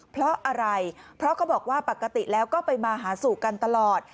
เพราะอะไรเพราะเขาบอกว่าปกติแล้วก็ไปมาหาสู่กันตลอด